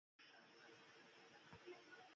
وګړي د افغانستان د طبیعت د ښکلا برخه ده.